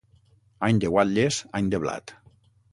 Any de guatlles, any de blat.